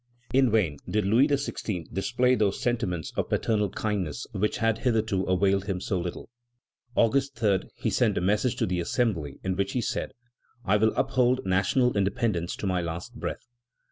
In vain did Louis XVI. display those sentiments of paternal kindness which had hitherto availed him so little. August 3, he sent a message to the Assembly, in which he said: "I will uphold national independence to my latest breath.